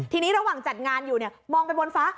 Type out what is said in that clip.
ทีนี้ระหว่างจัดงานอยู่เนี่ยมองไปบนฟ้า